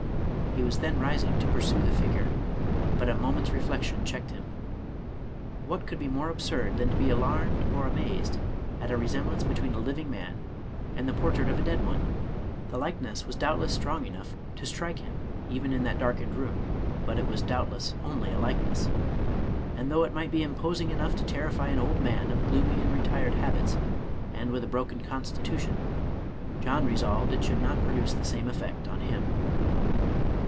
He was then rising to pursue the figure, but a moment's reflection checked him. What could be more absurd, than to be alarmed or amazed at a resemblance between a living man and the portrait of a dead one ! The likeness was doubtless strong enough to strike him even in that darkened room, but it was doubtless only a likeness; and though it might be imposing enough to terrify an old man of gloomy and retired habits, and with a broken constitution, John resolved it should not pro duce the same effect on him.